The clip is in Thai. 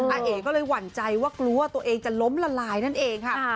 เอ๋ก็เลยหวั่นใจว่ากลัวว่าตัวเองจะล้มละลายนั่นเองค่ะ